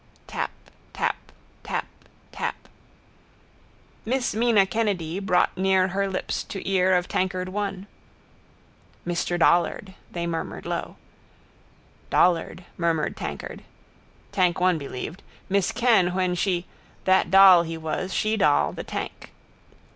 Tap. Tap. Tap. Tap. Miss Mina Kennedy brought near her lips to ear of tankard one. —Mr Dollard, they murmured low. —Dollard, murmured tankard. Tank one believed: miss Kenn when she: that doll he was: she doll: the tank.